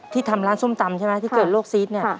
ทำร้านส้มตำใช่ไหมที่เกิดโรคซีสเนี่ย